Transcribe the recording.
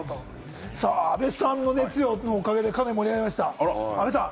あべさんの熱量のおかげで盛り上がりました。